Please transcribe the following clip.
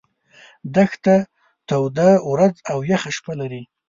دښته توده ورځ او یخه شپه لري.